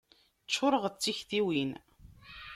Ččureɣ d tiktiwin.